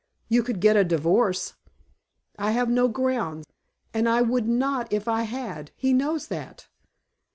"You could get a divorce." "I have no ground. And I would not if I had. He knows that."